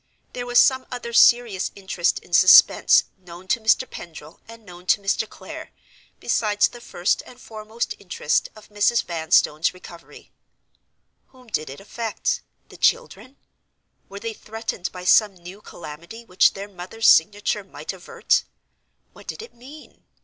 There was some other serious interest in suspense, known to Mr. Pendril and known to Mr. Clare, besides the first and foremost interest of Mrs. Vanstone's recovery. Whom did it affect? The children? Were they threatened by some new calamity which their mother's signature might avert? What did it mean?